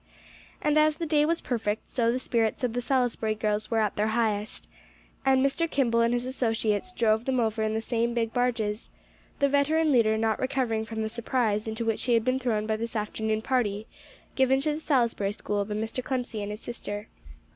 And as the day was perfect, so the spirits of the "Salisbury girls" were at their highest. And Mr. Kimball and his associates drove them over in the same big barges, the veteran leader not recovering from the surprise into which he had been thrown by this afternoon party given to the Salisbury School by Mr. Clemcy and his sister.